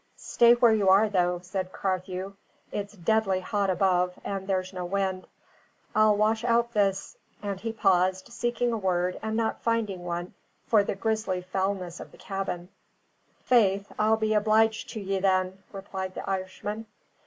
"Stay where you are, though," said Carthew. "It's deadly hot above, and there's no wind. I'll wash out this " and he paused, seeking a word and not finding one for the grisly foulness of the cabin. "Faith, I'll be obliged to ye, then," replied the Irishman.